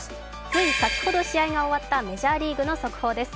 つい先ほど試合が終わったメジャーリーグの速報です。